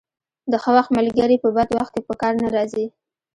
د ښه وخت ملګري په بد وخت کې په کار نه راځي.